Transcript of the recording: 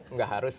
enggak harus sih